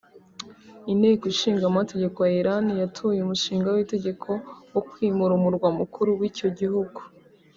Inteko ishingamategeko ya Iran yatoye umushinga w’itegeko wo kwimura umurwa mukuru w’icyo gihugu